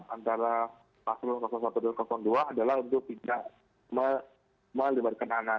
antara paslon satu dan dua adalah untuk tidak melebarkan anak